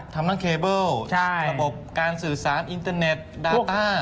ทั้งเคเบิลระบบการสื่อสารอินเตอร์เน็ตดาต้า